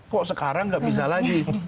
kok sekarang nggak bisa lagi